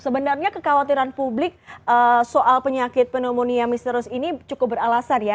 sebenarnya kekhawatiran publik soal penyakit pneumonia misterius ini cukup beralasan ya